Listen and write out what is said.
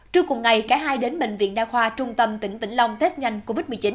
trước cùng ngày cả hai đến bệnh viện đa khoa trung tâm tỉnh vĩnh long test nhanh covid một mươi chín